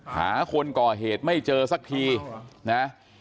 หาคนก่อเหตุไม่เจอสักทีนะ